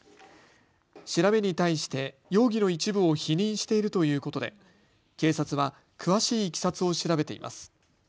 調べに対して容疑の一部を否認しているということで警察は詳しいいきさつを調べています。